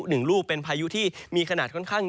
หนึ่งลูกเป็นพายุที่มีขนาดค่อนข้าง